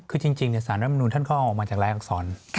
คือจริงสารรัฐมนุนท่านก็ออกมาจากรายอักษร